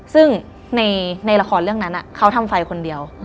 ซึ่งในละครเรื่องนั้นเขาทำไฟคนเดียว